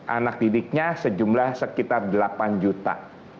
anak didiknya sejumlah sekitar delapan juta